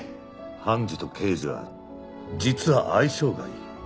判事と刑事は実は相性がいい。